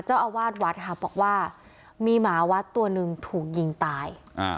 เจ้าอาวาสวัดค่ะบอกว่ามีหมาวัดตัวหนึ่งถูกยิงตาย